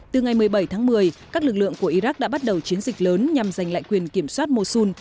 từ ngày một mươi bảy tháng một mươi các lực lượng của iraq đã bắt đầu chiến dịch lớn nhằm giành lại quyền kiểm soát mosun